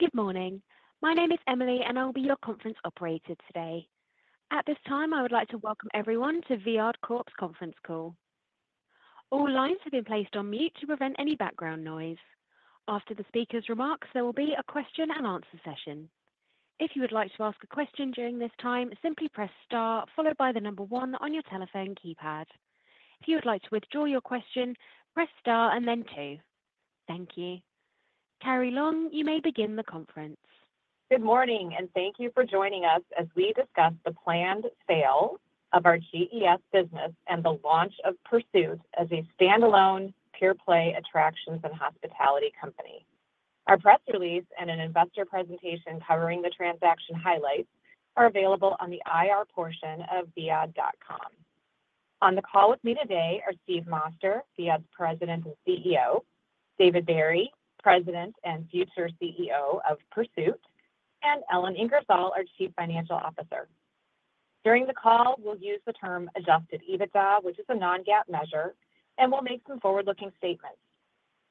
Good morning. My name is Emily, and I'll be your conference operator today. At this time, I would like to welcome everyone to Viad Corp's conference call. All lines have been placed on mute to prevent any background noise. After the speaker's remarks, there will be a question and answer session. If you would like to ask a question during this time, simply press star followed by the number one on your telephone keypad. If you would like to withdraw your question, press star and then two. Thank you. Carrie Long, you may begin the conference. Good morning, and thank you for joining us as we discuss the planned sale of our GES business and the launch of Pursuit as a standalone pure-play attractions and hospitality company. Our press release and an investor presentation covering the transaction highlights are available on the IR portion of Viad.com. On the call with me today are Steve Moster, Viad's President and CEO, David Barry, President and future CEO of Pursuit, and Ellen Ingersoll, our Chief Financial Officer. During the call, we'll use the term Adjusted EBITDA, which is a non-GAAP measure, and we'll make some forward-looking statements.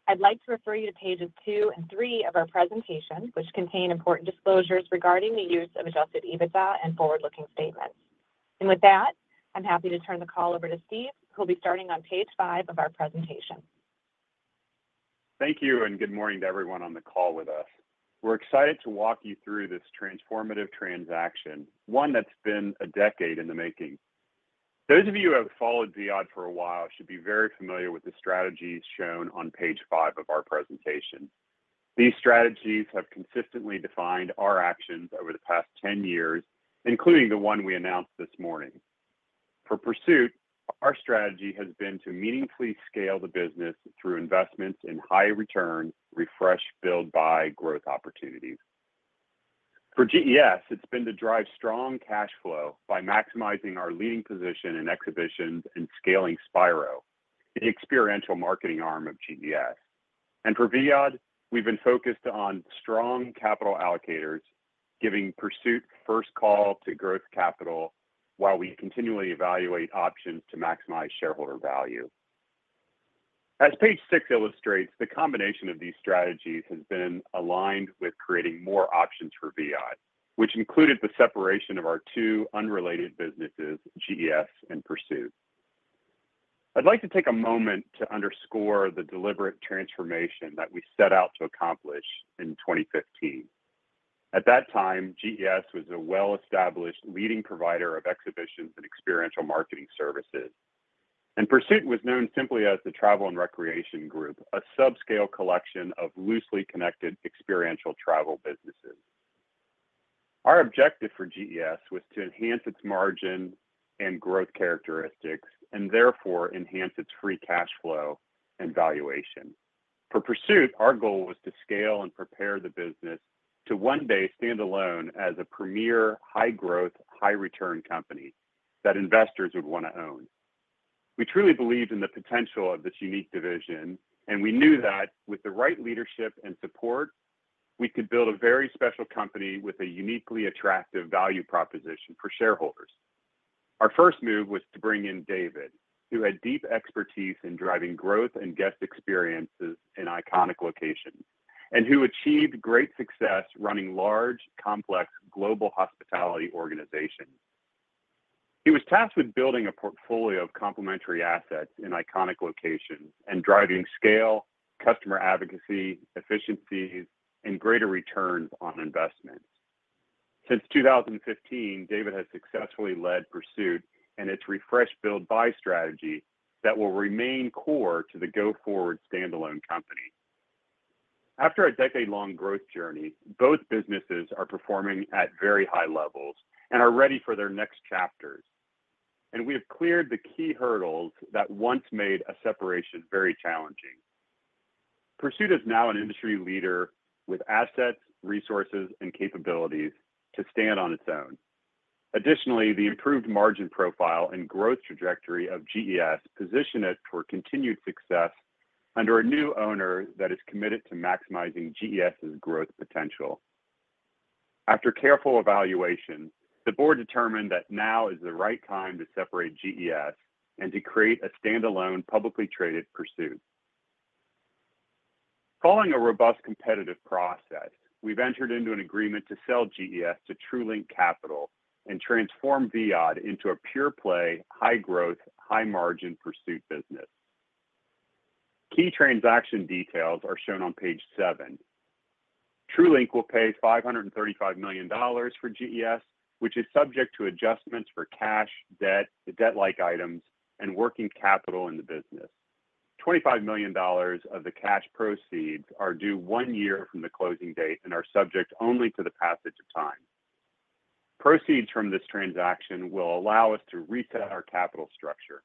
I'd like to refer you to pages two and three of our presentation, which contain important disclosures regarding the use of Adjusted EBITDA and forward-looking statements, and with that, I'm happy to turn the call over to Steve, who'll be starting on page five of our presentation. Thank you, and good morning to everyone on the call with us. We're excited to walk you through this transformative transaction, one that's been a decade in the making. Those of you who have followed Viad for a while should be very familiar with the strategies shown on page five of our presentation. These strategies have consistently defined our actions over the past ten years, including the one we announced this morning. For Pursuit, our strategy has been to meaningfully scale the business through investments in high return, Refresh, Build, Buy growth opportunities. For GES, it's been to drive strong cash flow by maximizing our leading position in exhibitions and scaling Spiro, the experiential marketing arm of GES. And for Viad, we've been focused on strong capital allocators, giving Pursuit first call to growth capital while we continually evaluate options to maximize shareholder value. As page six illustrates, the combination of these strategies has been aligned with creating more options for Viad, which included the separation of our two unrelated businesses, GES and Pursuit. I'd like to take a moment to underscore the deliberate transformation that we set out to accomplish in 2015. At that time, GES was a well-established leading provider of exhibitions and experiential marketing services, and Pursuit was known simply as the Travel and Recreation Group, a subscale collection of loosely connected experiential travel businesses. Our objective for GES was to enhance its margin and growth characteristics, and therefore enhance its free cash flow and valuation. For Pursuit, our goal was to scale and prepare the business to one day stand alone as a premier, high-growth, high-return company that investors would want to own. We truly believed in the potential of this unique division, and we knew that with the right leadership and support, we could build a very special company with a uniquely attractive value proposition for shareholders. Our first move was to bring in David, who had deep expertise in driving growth and guest experiences in iconic locations, and who achieved great success running large, complex, global hospitality organizations. He was tasked with building a portfolio of complementary assets in iconic locations and driving scale, customer advocacy, efficiencies, and greater returns on investment. Since 2015, David has successfully led Pursuit and its Refresh, Build, Buy strategy that will remain core to the go-forward standalone company. After a decade-long growth journey, both businesses are performing at very high levels and are ready for their next chapters, and we have cleared the key hurdles that once made a separation very challenging. Pursuit is now an industry leader with assets, resources, and capabilities to stand on its own. Additionally, the improved margin profile and growth trajectory of GES position it for continued success under a new owner that is committed to maximizing GES's growth potential. After careful evaluation, the board determined that now is the right time to separate GES and to create a standalone, publicly traded Pursuit. Following a robust competitive process, we've entered into an agreement to sell GES to Truelink Capital and transform Viad into a pure-play, high-growth, high-margin Pursuit business. Key transaction details are shown on page seven. Truelink will pay $535 million for GES, which is subject to adjustments for cash, debt, debt-like items, and working capital in the business. $25 million of the cash proceeds are due one year from the closing date and are subject only to the passage of time. Proceeds from this transaction will allow us to reset our capital structure.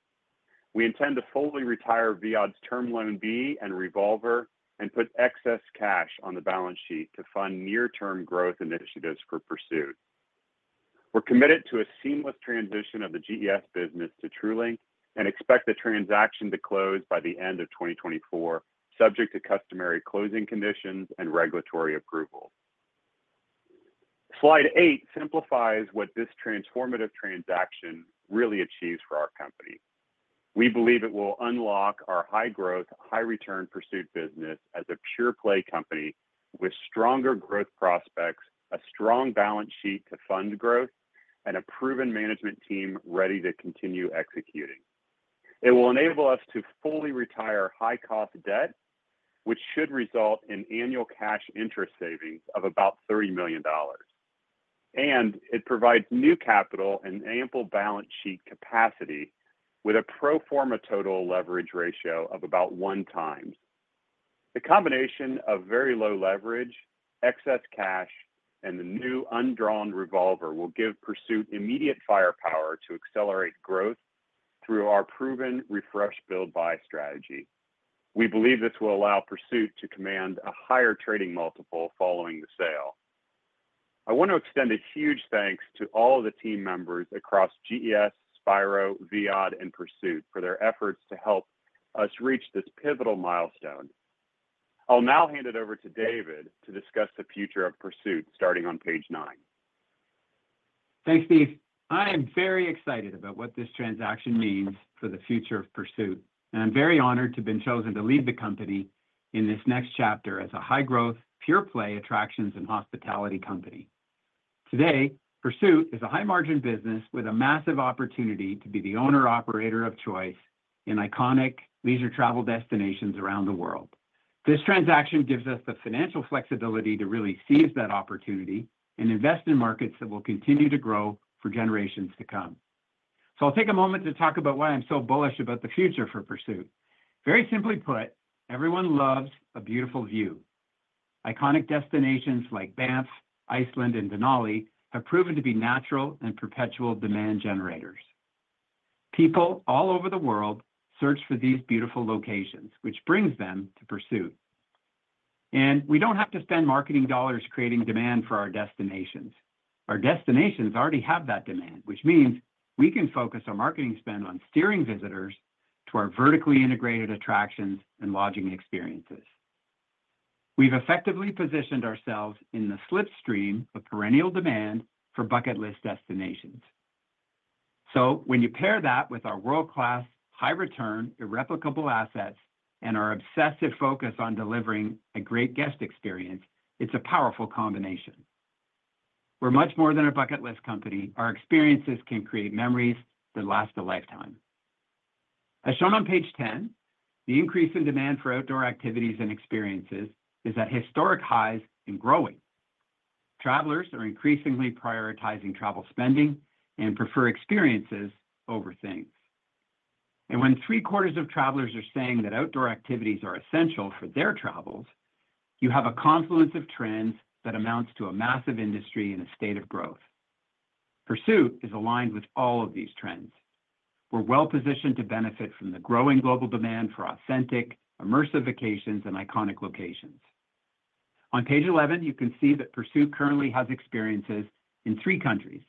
We intend to fully retire Viad's Term Loan B and revolver and put excess cash on the balance sheet to fund near-term growth initiatives for Pursuit. We're committed to a seamless transition of the GES business to Truelink and expect the transaction to close by the end of twenty twenty-four, subject to customary closing conditions and regulatory approvals. Slide eight simplifies what this transformative transaction really achieves for our company. We believe it will unlock our high growth, high return Pursuit business as a pure-play company with stronger growth prospects, a strong balance sheet to fund growth, and a proven management team ready to continue executing. It will enable us to fully retire high-cost debt, which should result in annual cash interest savings of about $30 million, and it provides new capital and ample balance sheet capacity with a pro forma total leverage ratio of about one times. The combination of very low leverage, excess cash, and the new undrawn revolver will give Pursuit immediate firepower to accelerate growth through our proven refresh build-buy strategy. We believe this will allow Pursuit to command a higher trading multiple following the sale. I want to extend a huge thanks to all of the team members across GES, Spiro, Viad, and Pursuit for their efforts to help us reach this pivotal milestone. I'll now hand it over to David to discuss the future of Pursuit, starting on page nine. Thanks, Steve. I am very excited about what this transaction means for the future of Pursuit, and I'm very honored to have been chosen to lead the company in this next chapter as a high-growth, pure-play attractions and hospitality company. Today, Pursuit is a high-margin business with a massive opportunity to be the owner-operator of choice in iconic leisure travel destinations around the world. This transaction gives us the financial flexibility to really seize that opportunity and invest in markets that will continue to grow for generations to come. So I'll take a moment to talk about why I'm so bullish about the future for Pursuit. Very simply put, everyone loves a beautiful view. Iconic destinations like Banff, Iceland, and Denali have proven to be natural and perpetual demand generators. People all over the world search for these beautiful locations, which brings them to Pursuit. And we don't have to spend marketing dollars creating demand for our destinations. Our destinations already have that demand, which means we can focus our marketing spend on steering visitors to our vertically integrated attractions and lodging experiences. We've effectively positioned ourselves in the slipstream of perennial demand for bucket list destinations. So when you pair that with our world-class, high-return, irreplicable assets and our obsessive focus on delivering a great guest experience, it's a powerful combination. We're much more than a bucket list company. Our experiences can create memories that last a lifetime. As shown on page 10, the increase in demand for outdoor activities and experiences is at historic highs and growing. Travelers are increasingly prioritizing travel spending and prefer experiences over things. And when three-quarters of travelers are saying that outdoor activities are essential for their travels, you have a confluence of trends that amounts to a massive industry in a state of growth. Pursuit is aligned with all of these trends. We're well positioned to benefit from the growing global demand for authentic, immersive vacations in iconic locations. On page 11, you can see that Pursuit currently has experiences in three countries.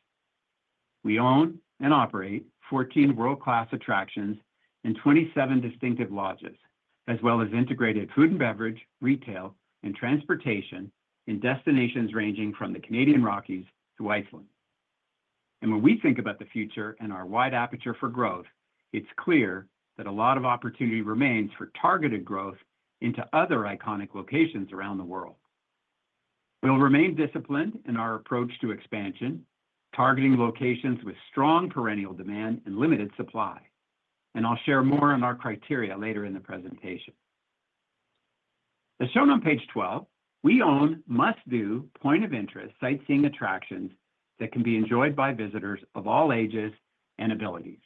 We own and operate 14 world-class attractions and 27 distinctive lodges, as well as integrated food and beverage, retail, and transportation in destinations ranging from the Canadian Rockies to Iceland. And when we think about the future and our wide aperture for growth, it's clear that a lot of opportunity remains for targeted growth into other iconic locations around the world. We'll remain disciplined in our approach to expansion, targeting locations with strong perennial demand and limited supply, and I'll share more on our criteria later in the presentation. As shown on page 12, we own must-do points of interest sightseeing attractions that can be enjoyed by visitors of all ages and abilities.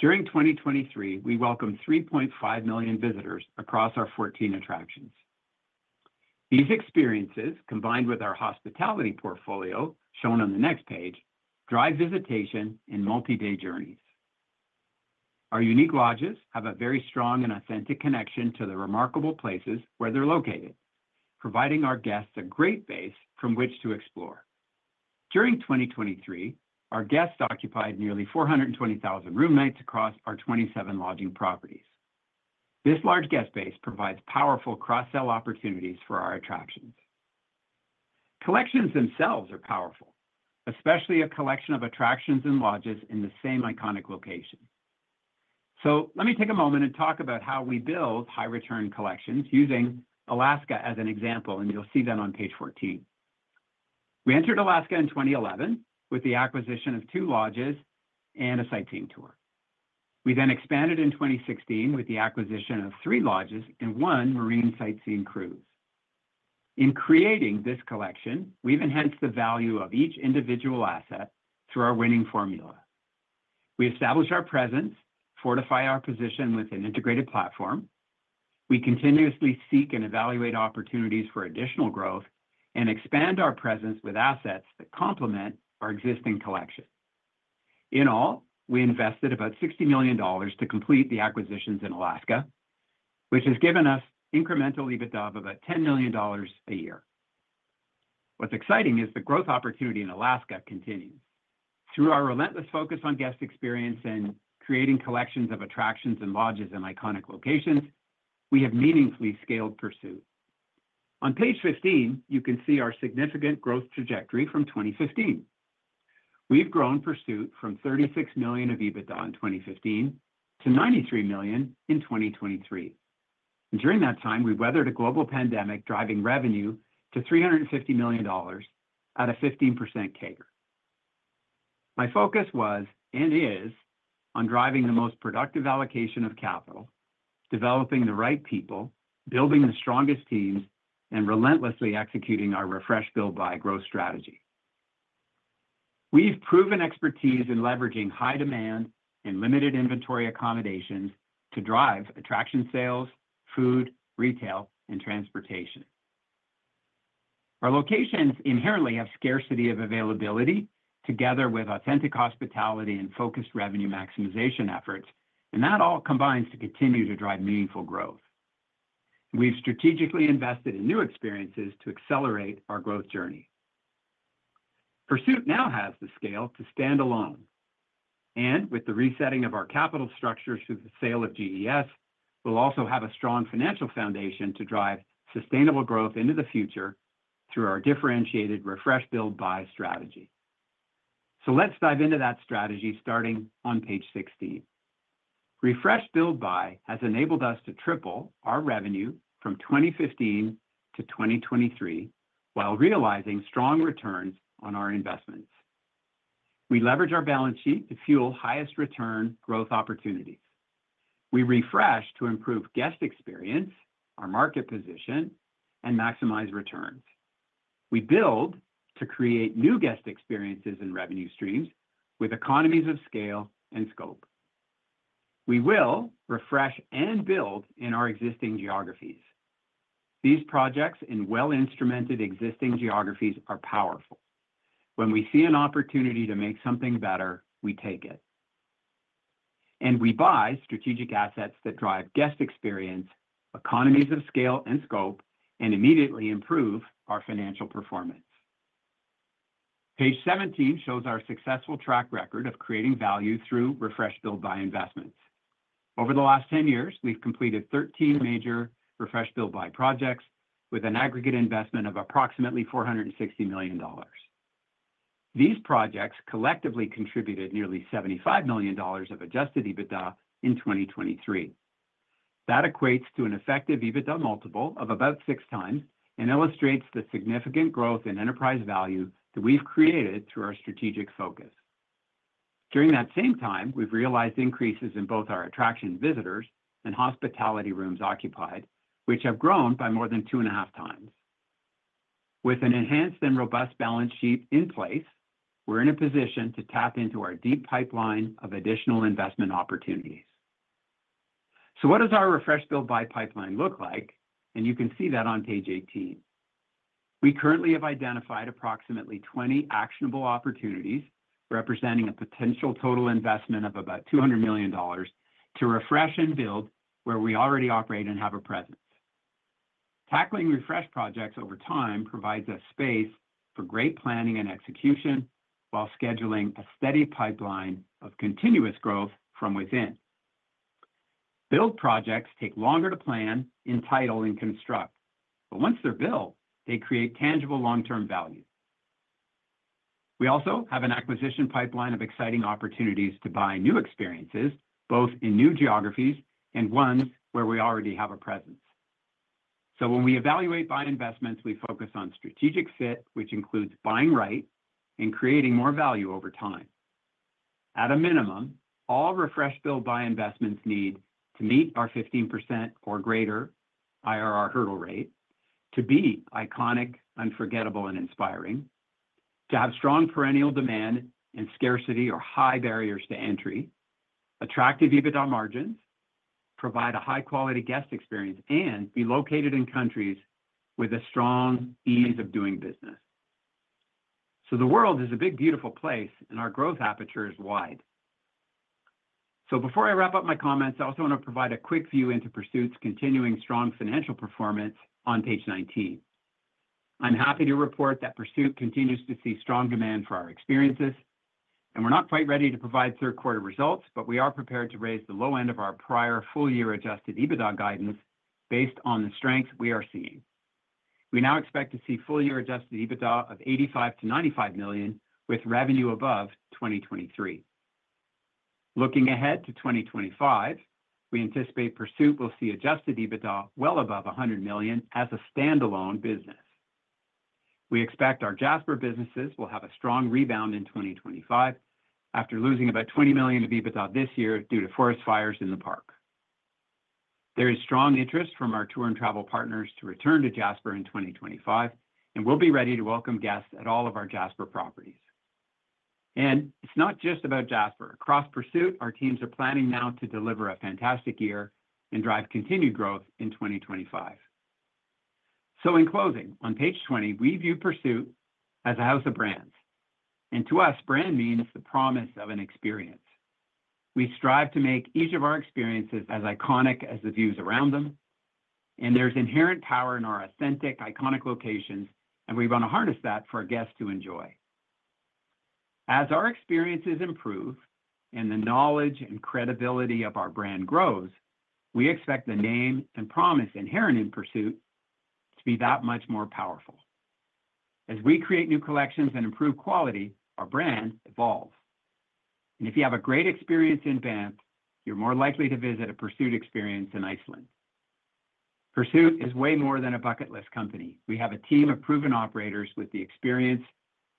During 2023, we welcomed 3.5 million visitors across our 14 attractions. These experiences, combined with our hospitality portfolio, shown on the next page, drive visitation in multi-day journeys. Our unique lodges have a very strong and authentic connection to the remarkable places where they're located, providing our guests a great base from which to explore. During 2023, our guests occupied nearly 420,000 room nights across our 27 lodging properties. This large guest base provides powerful cross-sell opportunities for our attractions. Collections themselves are powerful, especially a collection of attractions and lodges in the same iconic location. So let me take a moment and talk about how we build high-return collections, using Alaska as an example, and you'll see that on page 14. We entered Alaska in 2011 with the acquisition of two lodges and a sightseeing tour. We then expanded in 2016 with the acquisition of three lodges and one marine sightseeing cruise. In creating this collection, we've enhanced the value of each individual asset through our winning formula. We establish our presence, fortify our position with an integrated platform, we continuously seek and evaluate opportunities for additional growth, and expand our presence with assets that complement our existing collection. In all, we invested about $60 million to complete the acquisitions in Alaska, which has given us incremental EBITDA of about $10 million a year. What's exciting is the growth opportunity in Alaska continues. Through our relentless focus on guest experience and creating collections of attractions and lodges in iconic locations, we have meaningfully scaled Pursuit. On page 15, you can see our significant growth trajectory from 2015. We've grown Pursuit from $36 million of EBITDA in 2015 to $93 million in 2023, and during that time, we weathered a global pandemic, driving revenue to $350 million at a 15% CAGR. My focus was, and is, on driving the most productive allocation of capital, developing the right people, building the strongest teams, and relentlessly executing our Refresh, Build, Buy growth strategy. We've proven expertise in leveraging high demand and limited inventory accommodations to drive attraction sales, food, retail, and transportation. Our locations inherently have scarcity of availability, together with authentic hospitality and focused revenue maximization efforts, and that all combines to continue to drive meaningful growth. We've strategically invested in new experiences to accelerate our growth journey. Pursuit now has the scale to stand alone, and with the resetting of our capital structure through the sale of GES, we'll also have a strong financial foundation to drive sustainable growth into the future through our differentiated Refresh, Build, Buy strategy, so let's dive into that strategy, starting on page 16. Refresh, Build, Buy has enabled us to triple our revenue from 2015 to 2023 while realizing strong returns on our investments. We leverage our balance sheet to fuel highest return growth opportunities. We refresh to improve guest experience, our market position, and maximize returns. We build to create new guest experiences and revenue streams with economies of scale and scope. We will refresh and build in our existing geographies. These projects in well-instrumented existing geographies are powerful. When we see an opportunity to make something better, we take it, and we buy strategic assets that drive guest experience, economies of scale and scope, and immediately improve our financial performance. Page 17 shows our successful track record of creating value through Refresh, Build, Buy investments. Over the last 10 years, we've completed 13 major Refresh, Build, Buy projects with an aggregate investment of approximately $460 million. These projects collectively contributed nearly $75 million of Adjusted EBITDA in 2023. That equates to an effective EBITDA multiple of about 6 times and illustrates the significant growth in enterprise value that we've created through our strategic focus. During that same time, we've realized increases in both our attraction visitors and hospitality rooms occupied, which have grown by more than two and a half times. With an enhanced and robust balance sheet in place, we're in a position to tap into our deep pipeline of additional investment opportunities. So what does our Refresh, Build, Buy pipeline look like, and you can see that on page 18? We currently have identified approximately 20 actionable opportunities, representing a potential total investment of about $200 million, to refresh and build where we already operate and have a presence. Tackling refresh projects over time provides us space for great planning and execution while scheduling a steady pipeline of continuous growth from within. Build projects take longer to plan, entitle, and construct, but once they're built, they create tangible long-term value. We also have an acquisition pipeline of exciting opportunities to buy new experiences, both in new geographies and ones where we already have a presence. So when we evaluate buy investments, we focus on strategic fit, which includes buying right and creating more value over time. At a minimum, all Refresh, Build, Buy investments need to meet our 15% or greater IRR hurdle rate, to be iconic, unforgettable, and inspiring, to have strong perennial demand and scarcity or high barriers to entry, attractive EBITDA margins, provide a high-quality guest experience, and be located in countries with a strong ease of doing business. So the world is a big, beautiful place, and our growth aperture is wide. So before I wrap up my comments, I also want to provide a quick view into Pursuit's continuing strong financial performance on page 19. I'm happy to report that Pursuit continues to see strong demand for our experiences, and we're not quite ready to provide third quarter results, but we are prepared to raise the low end of our prior full year adjusted EBITDA guidance based on the strength we are seeing. We now expect to see full year adjusted EBITDA of $85-$95 million, with revenue above 2023. Looking ahead to 2025, we anticipate Pursuit will see adjusted EBITDA well above $100 million as a standalone business. We expect our Jasper businesses will have a strong rebound in 2025 after losing about $20 million of EBITDA this year due to forest fires in the park. There is strong interest from our tour and travel partners to return to Jasper in 2025, and we'll be ready to welcome guests at all of our Jasper properties. It's not just about Jasper. Across Pursuit, our teams are planning now to deliver a fantastic year and drive continued growth in 2025. In closing, on page 20, we view Pursuit as a house of brands, and to us, brand means the promise of an experience... We strive to make each of our experiences as iconic as the views around them, and there's inherent power in our authentic, iconic locations, and we want to harness that for our guests to enjoy. As our experiences improve and the knowledge and credibility of our brand grows, we expect the name and promise inherent in Pursuit to be that much more powerful. As we create new collections and improve quality, our brand evolves. If you have a great experience in Banff, you're more likely to visit a Pursuit experience in Iceland. Pursuit is way more than a bucket list company. We have a team of proven operators with the experience,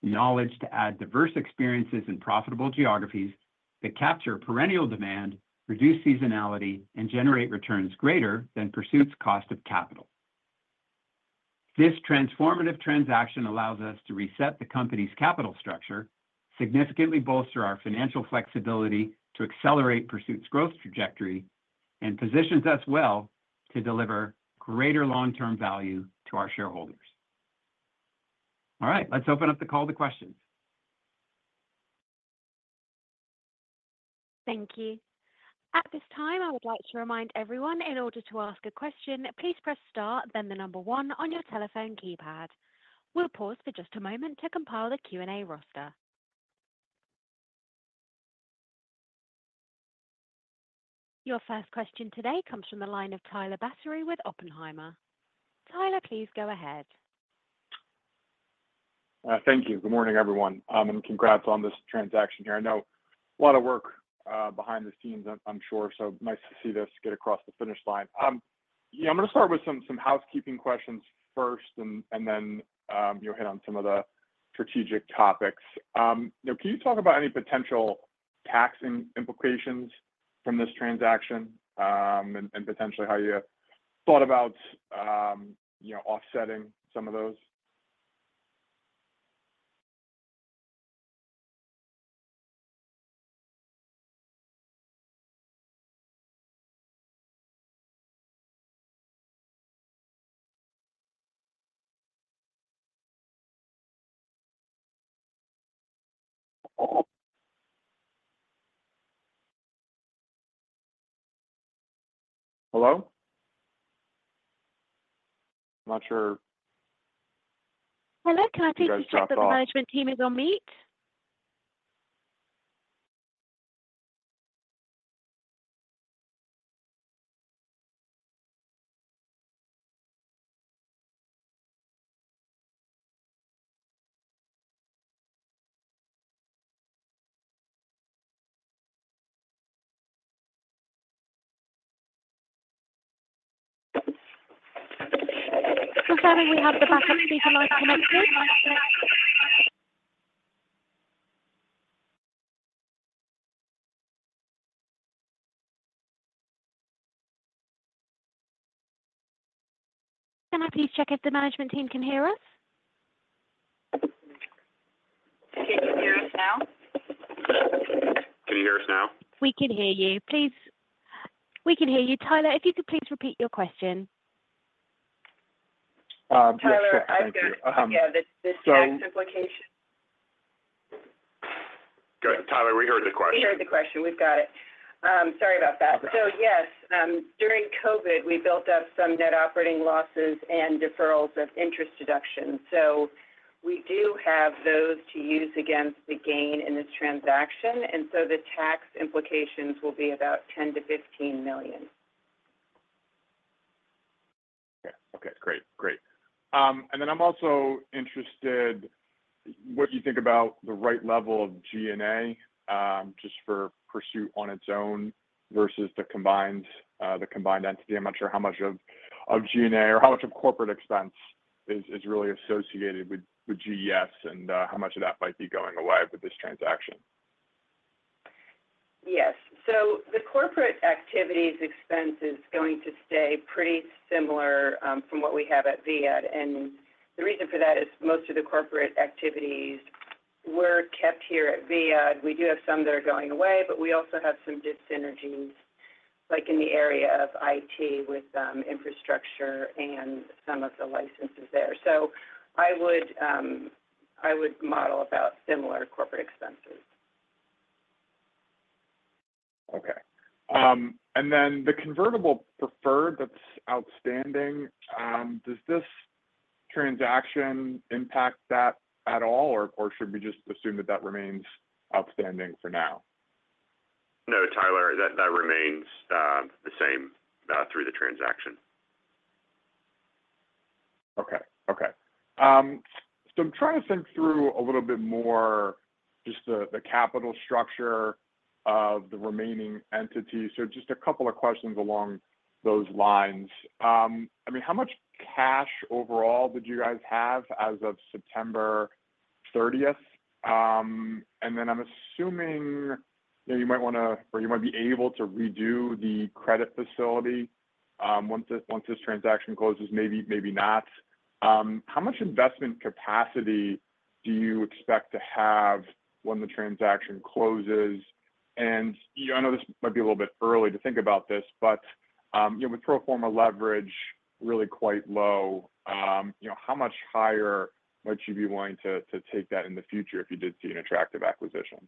knowledge to add diverse experiences in profitable geographies that capture perennial demand, reduce seasonality, and generate returns greater than Pursuit's cost of capital. This transformative transaction allows us to reset the company's capital structure, significantly bolster our financial flexibility to accelerate Pursuit's growth trajectory, and positions us well to deliver greater long-term value to our shareholders. All right, let's open up the call to questions. Thank you. At this time, I would like to remind everyone, in order to ask a question, please press star, then the number one on your telephone keypad. We'll pause for just a moment to compile the Q&A roster. Your first question today comes from the line of Tyler Batory with Oppenheimer. Tyler, please go ahead. Thank you. Good morning, everyone, and congrats on this transaction here. I know a lot of work behind the scenes. I'm sure. So nice to see this get across the finish line. Yeah, I'm gonna start with some housekeeping questions first and then you'll hit on some of the strategic topics. You know, can you talk about any potential tax implications from this transaction, and potentially how you thought about you know, offsetting some of those? Hello? I'm not sure- Hello, can I please- You guys dropped off. Check if the management team is on mute? Confirming we have the backup speakerphone connected. Can I please check if the management team can hear us? Can you hear us now? Can you hear us now? We can hear you. We can hear you. Tyler, if you could please repeat your question. Yes. Sure. Thank you. Tyler, I've got, yeah, the tax implication. Go ahead, Tyler. We heard the question. We heard the question. We've got it. Sorry about that. So, yes, during COVID, we built up some net operating losses and deferrals of interest deductions. So we do have those to use against the gain in this transaction, and so the tax implications will be about $10-$15 million. Okay. Okay, great. Great. And then I'm also interested, what do you think about the right level of G&A, just for Pursuit on its own versus the combined, the combined entity? I'm not sure how much of G&A or how much of corporate expense is really associated with GES and how much of that might be going away with this transaction. Yes. So the corporate activities expense is going to stay pretty similar from what we have at Viad. And the reason for that is most of the corporate activities were kept here at Viad. We do have some that are going away, but we also have some dis-synergies, like in the area of IT with infrastructure and some of the licenses there. So I would model about similar corporate expenses. Okay, and then the convertible preferred that's outstanding, does this transaction impact that at all, or should we just assume that that remains outstanding for now? No, Tyler, that remains the same through the transaction. Okay. Okay. So I'm trying to think through a little bit more just the capital structure of the remaining entities. So just a couple of questions along those lines. I mean, how much cash overall did you guys have as of September 30th? And then I'm assuming that you might wanna, or you might be able to redo the credit facility, once this transaction closes, maybe, maybe not. How much investment capacity do you expect to have when the transaction closes? And, you know, I know this might be a little bit early to think about this, you know, with pro forma leverage really quite low, you know, how much higher might you be willing to take that in the future if you did see an attractive acquisition?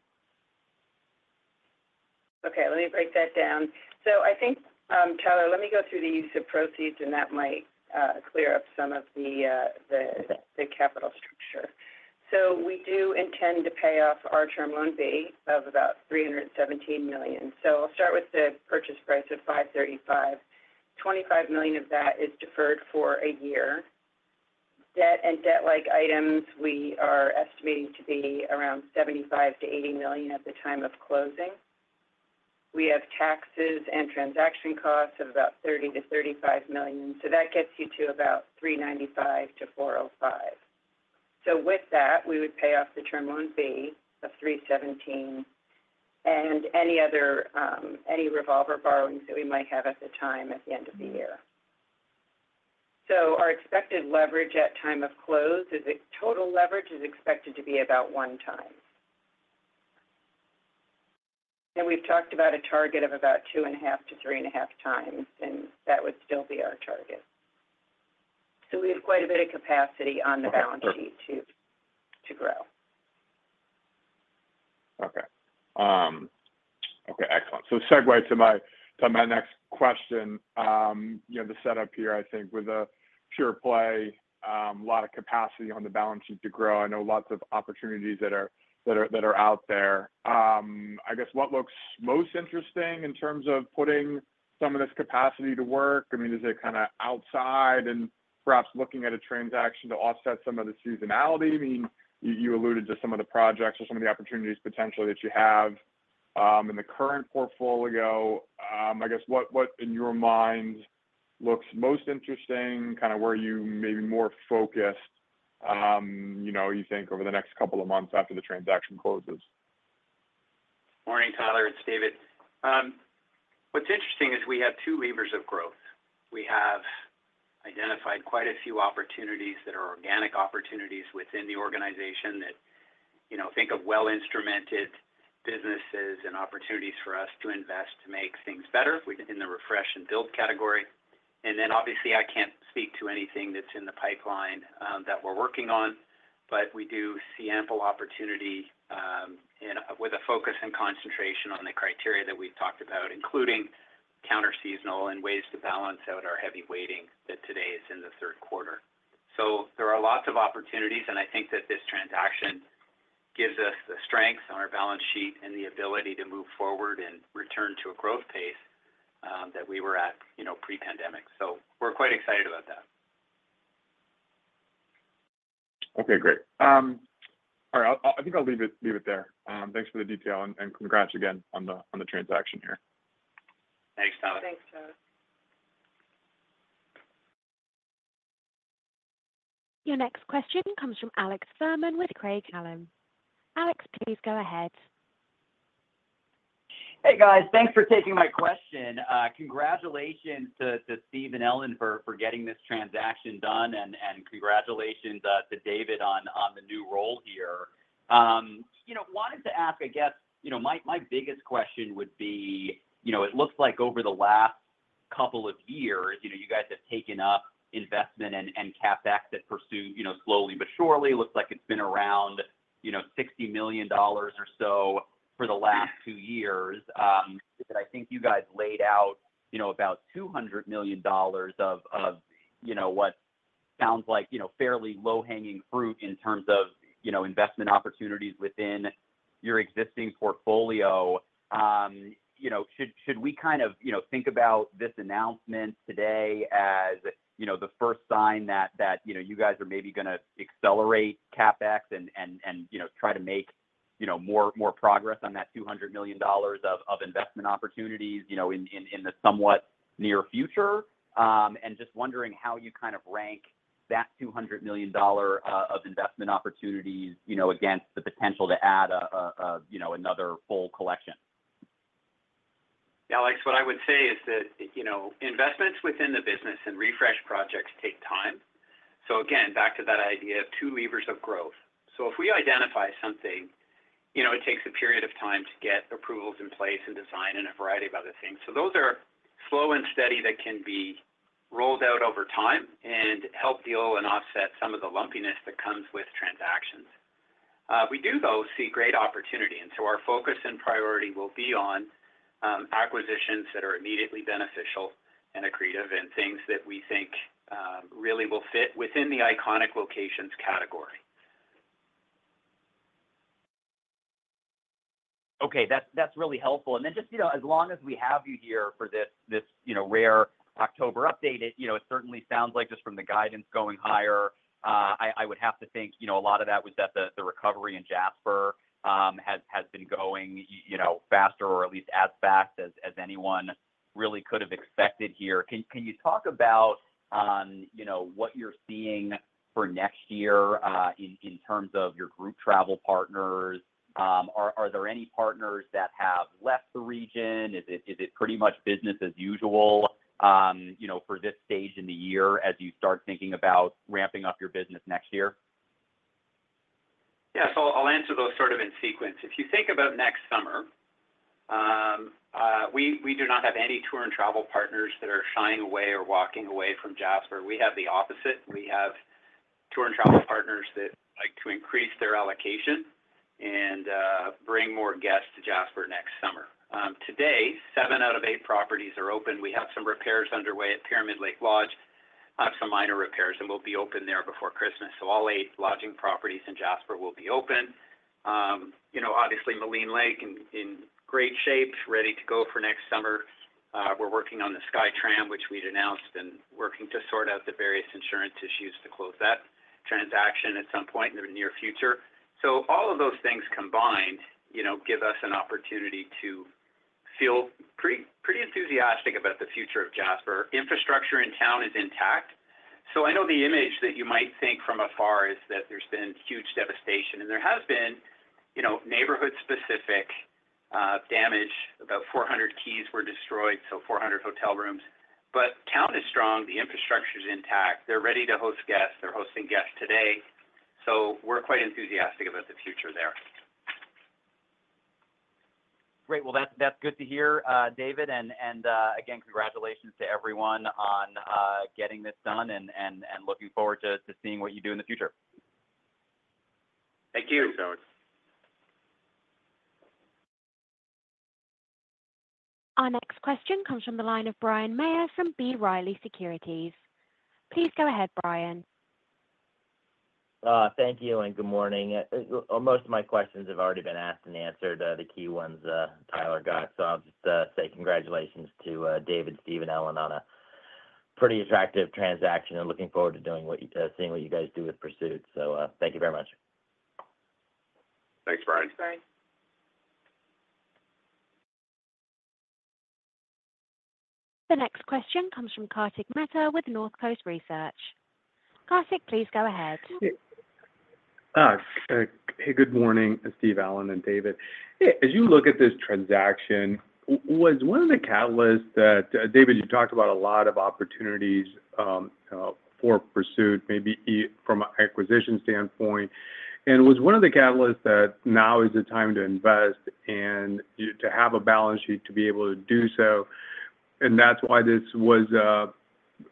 Okay, let me break that down. So I think, Tyler, let me go through the use of proceeds, and that might clear up some of the capital structure. So we do intend to pay off our Term Loan B of about $317 million. So I'll start with the purchase price of $535 million. $25 million of that is deferred for a year. Debt and debt-like items, we are estimating to be around $75-$80 million at the time of closing. We have taxes and transaction costs of about $30-$35 million, so that gets you to about $395-$405 million. So with that, we would pay off the Term Loan B of $317 million, and any other revolver borrowings that we might have at the end of the year. Our expected leverage at time of close is total leverage expected to be about one time. We've talked about a target of about two and a half to three and a half times, and that would still be our target. We have quite a bit of capacity on the balance sheet to grow. Okay. Okay, excellent. So segue to my next question. You know, the setup here, I think with a pure play, a lot of capacity on the balance sheet to grow. I know lots of opportunities that are out there. I guess what looks most interesting in terms of putting some of this capacity to work? I mean, is it kind of outside and perhaps looking at a transaction to offset some of the seasonality? I mean, you alluded to some of the projects or some of the opportunities potentially that you have in the current portfolio. I guess what in your mind looks most interesting, kind of where you may be more focused, you know, you think over the next couple of months after the transaction closes? Morning, Tyler, it's David. What's interesting is we have two levers of growth. We have identified quite a few opportunities that are organic opportunities within the organization that, you know, think of well-instrumented businesses and opportunities for us to invest to make things better in the refresh and build category. And then, obviously, I can't speak to anything that's in the pipeline that we're working on, but we do see ample opportunity, and with a focus and concentration on the criteria that we've talked about, including counter seasonal and ways to balance out our heavy weighting that today is in the third quarter. So there are lots of opportunities, and I think that this transaction gives us the strength on our balance sheet and the ability to move forward and return to a growth pace that we were at, you know, pre-pandemic. So we're quite excited about that. Okay, great. All right, I think I'll leave it, leave it there. Thanks for the detail, and congrats again on the transaction here. Thanks, Tyler. Thanks, Tyler. Your next question comes from Alex Fuhrman with Craig-Hallum. Alex, please go ahead. Hey, guys. Thanks for taking my question. Congratulations to Steve and Ellen for getting this transaction done, and congratulations to David on the new role here. You know, wanted to ask, I guess, you know, my biggest question would be, you know, it looks like over the last couple of years, you know, you guys have taken up investment and CapEx that Pursuit, you know, slowly but surely. It looks like it's been around, you know, $60 million or so for the last two years. But I think you guys laid out, you know, about $200 million of, you know, what sounds like, you know, fairly low-hanging fruit in terms of, you know, investment opportunities within your existing portfolio. You know, should we kind of, you know, think about this announcement today as, you know, the first sign that, you know, you guys are maybe gonna accelerate CapEx and, you know, try to make more progress on that $200 million of investment opportunities, you know, in the somewhat near future? And just wondering how you kind of rank that $200 million dollar of investment opportunities, you know, against the potential to add a, you know, another full collection. Yeah, Alex, what I would say is that, you know, investments within the business and refresh projects take time. So again, back to that idea of two levers of growth. So if we identify something, you know, it takes a period of time to get approvals in place and design and a variety of other things. So those are slow and steady that can be rolled out over time and help deal and offset some of the lumpiness that comes with transactions. We do, though, see great opportunity, and so our focus and priority will be on acquisitions that are immediately beneficial and accretive, and things that we think really will fit within the iconic locations category. Okay. That's really helpful. And then, just, you know, as long as we have you here for this, you know, rare October update, it, you know, it certainly sounds like just from the guidance going higher, I would have to think, you know, a lot of that was that the recovery in Jasper has been going, you know, faster or at least as fast as anyone really could have expected here. Can you talk about, you know, what you're seeing for next year, in terms of your group travel partners? Are there any partners that have left the region? Is it pretty much business as usual, you know, for this stage in the year as you start thinking about ramping up your business next year? Yeah, so I'll answer those sort of in sequence. If you think about next summer, we do not have any tour and travel partners that are shying away or walking away from Jasper. We have the opposite. We have tour and travel partners that like to increase their allocation and bring more guests to Jasper next summer. Today, seven out of eight properties are open. We have some repairs underway at Pyramid Lake Lodge, some minor repairs, and we'll be open there before Christmas. So all eight lodging properties in Jasper will be open. You know, obviously, Maligne Lake in great shape, ready to go for next summer. We're working on the SkyTram, which we'd announced, and working to sort out the various insurance issues to close that transaction at some point in the near future. So all of those things combined, you know, give us an opportunity to feel pretty, pretty enthusiastic about the future of Jasper. Infrastructure in town is intact. So I know the image that you might think from afar is that there's been huge devastation, and there has been, you know, neighbourhood-specific damage. About four hundred keys were destroyed, so four hundred hotel rooms. But the town is strong, the infrastructure is intact. They're ready to host guests. They're hosting guests today, so we're quite enthusiastic about the future there. Great. Well, that's good to hear, David. And again, congratulations to everyone on getting this done and looking forward to seeing what you do in the future. Thank you. Our next question comes from the line of Bryan Maher from B. Riley Securities. Please go ahead, Bryan. Thank you, and good morning. Most of my questions have already been asked and answered, the key ones, Tyler got. So I'll just say congratulations to David, Steve, and Ellen on a pretty attractive transaction, and looking forward to doing what-- seeing what you guys do with Pursuit. So, thank you very much. Thanks, Bryan. Thanks, Bryan. The next question comes from Kartik Mehta with North Coast Research. Kartik, please go ahead. Hey, good morning, Steve, Ellen, and David. As you look at this transaction, was one of the catalysts that... David, you talked about a lot of opportunities for Pursuit, maybe from an acquisition standpoint, and was one of the catalysts that now is the time to invest and you to have a balance sheet to be able to do so, and that's why this was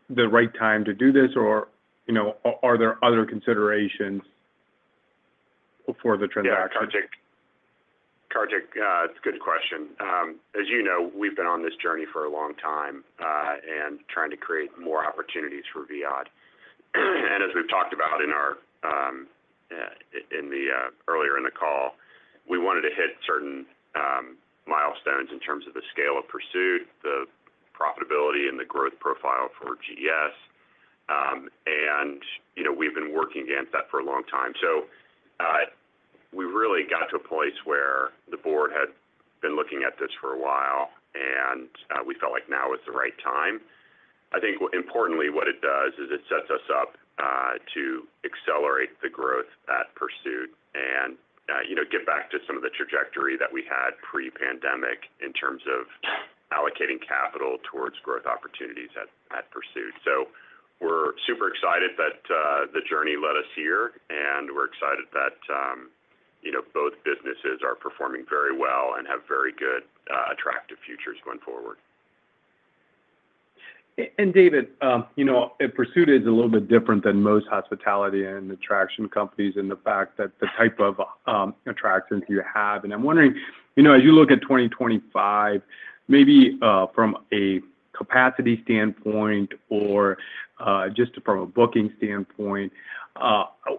the right time to do this? Or, you know, are there other considerations for the transaction? Yeah, Kartik. Kartik, it's a good question. As you know, we've been on this journey for a long time, and trying to create more opportunities for Viad. And as we've talked about earlier in the call, we wanted to hit certain milestones in terms of the scale of Pursuit, the profitability and the growth profile for GES. And, you know, we've been working against that for a long time. So, we really got to a place where the board had been looking at this for a while, and we felt like now is the right time. I think importantly, what it does is it sets us up to accelerate the growth at Pursuit and, you know, get back to some of the trajectory that we had pre-pandemic in terms of allocating capital towards growth opportunities at Pursuit. So we're super excited that the journey led us here, and we're excited that, you know, both businesses are performing very well and have very good attractive futures going forward. David, you know, Pursuit is a little bit different than most hospitality and attraction companies in the fact that the type of attractions you have. I'm wondering, you know, as you look at 2025, maybe from a capacity standpoint or just from a booking standpoint,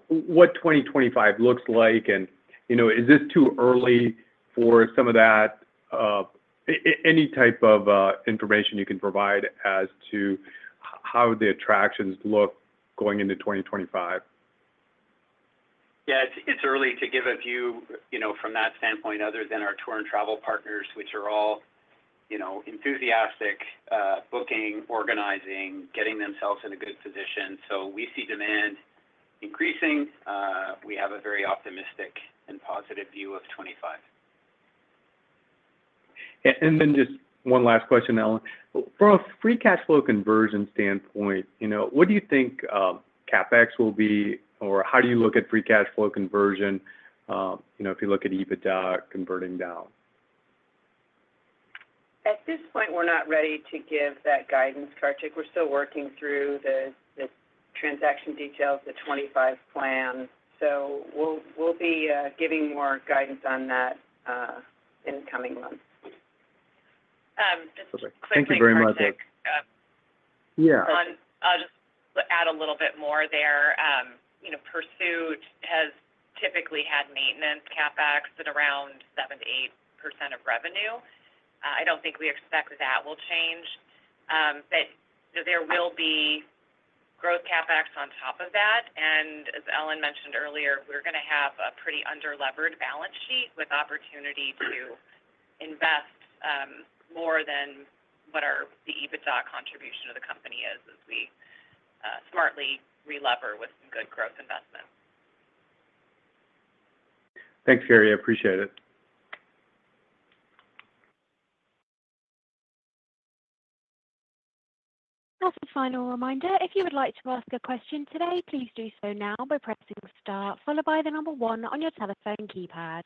what 2025 looks like, and, you know, is this too early for some of that? Any type of information you can provide as to how the attractions look going into 2025? Yeah, it's early to give a view, you know, from that standpoint, other than our tour and travel partners, which are all, you know, enthusiastic, booking, organizing, getting themselves in a good position. So we see demand increasing. We have a very optimistic and positive view of 2025. And then just one last question, Ellen. From a free cash flow conversion standpoint, you know, what do you think CapEx will be, or how do you look at free cash flow conversion, you know, if you look at EBITDA converting down? At this point, we're not ready to give that guidance, Kartik. We're still working through the transaction details, the 2025 plan. So we'll be giving more guidance on that in the coming months. Thank you very much. Just to clarify, Kartik. Yeah. I'll just add a little bit more there. You know, Pursuit has typically had Maintenance CapEx at around 7%-8% of revenue. I don't think we expect that will change, but there will be Growth CapEx on top of that, and as Ellen mentioned earlier, we're gonna have a pretty under-levered balance sheet with opportunity to invest, more than what the EBITDA contribution to the company is, as we smartly relever with some good growth investments. Thanks, Carrie. I appreciate it. As a final reminder, if you would like to ask a question today, please do so now by pressing star, followed by the number one on your telephone keypad.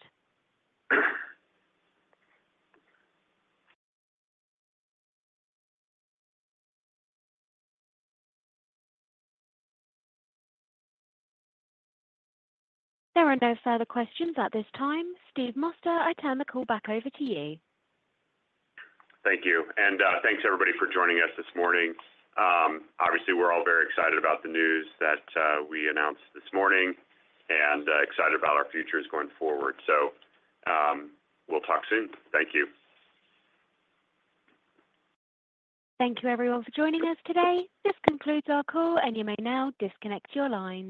There are no further questions at this time. Steve Moster, I turn the call back over to you. Thank you, and thanks, everybody, for joining us this morning. Obviously, we're all very excited about the news that we announced this morning and excited about our futures going forward. We'll talk soon. Thank you. Thank you everyone for joining us today. This concludes our call, and you may now disconnect your lines.